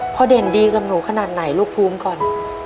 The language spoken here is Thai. เด่นดีกับหนูขนาดไหนลูกภูมิก่อน